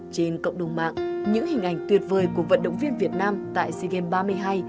trên cộng đồng mạng những hình ảnh tuyệt vời của vận động viên việt nam tại sea games ba mươi hai